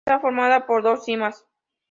Está formada por dos cimas.